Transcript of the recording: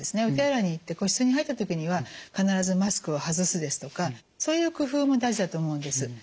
お手洗いに行って個室に入った時には必ずマスクを外すですとかそういう工夫も大事だと思うんです。